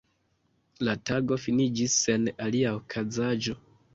La tago finiĝis sen alia okazaĵo.